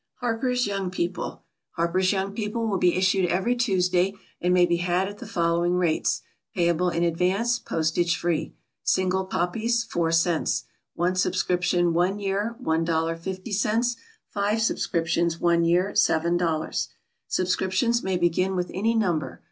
HARPER'S YOUNG PEOPLE. HARPER'S YOUNG PEOPLE will be issued every Tuesday, and may be had at the following rates payable in advance, postage free: SINGLE COPIES $0.04 ONE SUBSCRIPTION, one year 1.50 FIVE SUBSCRIPTIONS, one year 7.00 Subscriptions may begin with any Number.